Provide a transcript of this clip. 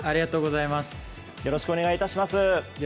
よろしくお願いします。